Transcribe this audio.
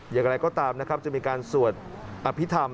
อย่างไรก็ตามนะครับจะมีการสวดอภิษฐรรม